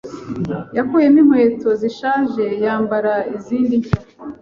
Yakuyemo inkweto zishaje yambara izindi nshya.